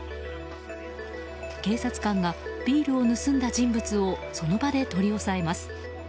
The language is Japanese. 警察官がビールを盗んだ人物をその場で取り押さえます。